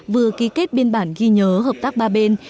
vừa ký kết biên bản ghi nhớ hợp tác ba bên